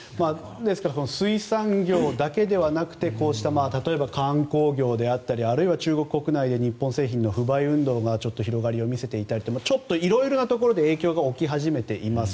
水産業だけでなく観光業であったりあるいは中国国内で日本製品の不買運動が広がりを見せていたりといろいろなところで影響が起き始めています。